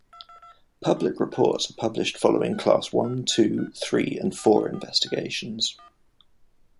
Public reports are published following class one, two, three and four investigations.